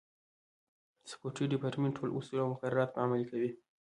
د سکورټي ډیپارټمنټ ټول اصول او مقررات به عملي کوي.